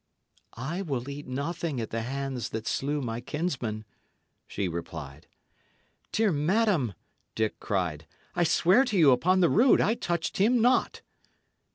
"I will eat nothing at the hands that slew my kinsman," she replied. "Dear madam," Dick cried, "I swear to you upon the rood I touched him not."